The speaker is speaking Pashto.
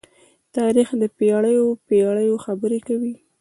تاریخ د پېړيو پېړۍ خبرې کوي.